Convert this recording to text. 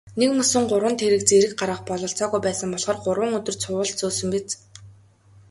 Нэгмөсөн гурван тэрэг зэрэг гаргах бололцоогүй байсан болохоор гурван өдөр цувуулж зөөсөн биз.